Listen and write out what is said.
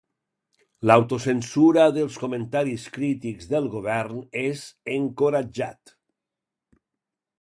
L'autocensura dels comentaris crítics del govern és encoratjat.